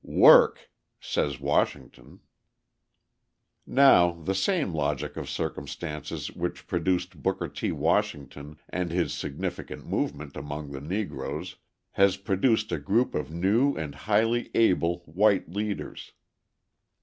"Work," says Washington. Now, the same logic of circumstances which produced Booker T. Washington and his significant movement among the Negroes has produced a group of new and highly able white leaders.